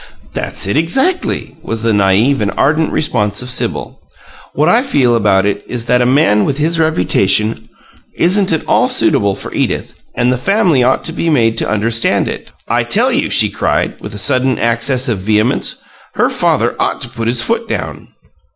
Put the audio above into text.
"That's it exactly!" was the naive and ardent response of Sibyl. "What I feel about it is that a man with his reputation isn't at all suitable for Edith, and the family ought to be made to understand it. I tell you," she cried, with a sudden access of vehemence, "her father ought to put his foot down!"